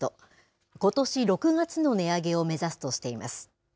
ことし６月の値上げを目指すとしています。